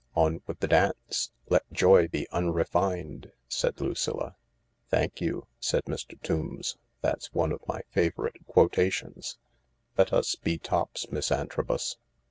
" 'On with the dance, let joy be unrefined/ " said Lucilla. " Thank you," said Mr. Tombs. "That's one of my favourite quotations. Let us be tops, Miss Antrobus.